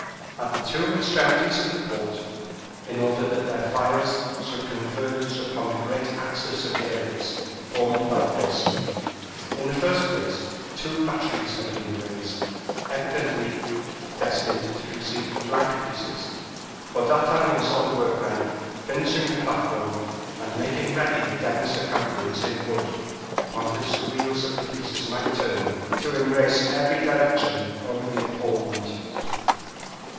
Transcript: At the two extremities of the port, in order that their fires should converge upon the great axis of the ellipse formed by the basin, in the first place, two batteries had been raised, evidently destined to receive flank pieces, for D'Artagnan saw the workmen finishing the platform and making ready the demi circumference in wood upon which the wheels of the pieces might turn to embrace every direction over the epaulement.